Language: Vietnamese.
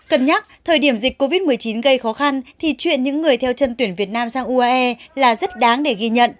cân nhắc thời điểm dịch covid một mươi chín gây khó khăn thì chuyện những người theo chân tuyển việt nam sang uae là rất đáng để ghi nhận